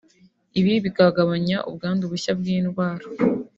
ibi bikagabanya ubwandu bushya bw’indwara